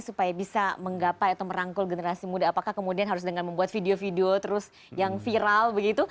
supaya bisa menggapai atau merangkul generasi muda apakah kemudian harus dengan membuat video video terus yang viral begitu